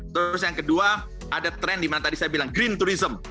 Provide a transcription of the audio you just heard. terus yang kedua ada tren di mana tadi saya bilang green tourism